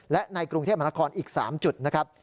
และในกรุงเทพมหานครอีก๓จุดนะครับ